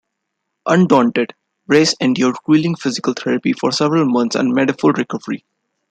Undaunted, Race endured grueling physical therapy for several months and made a full recovery.